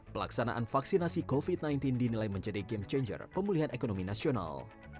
pelaksanaan vaksinasi covid sembilan belas dinilai menjadi game changer pemulihan ekonomi nasional